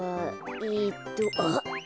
えっとあっ。